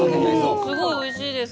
すごくおいしいです。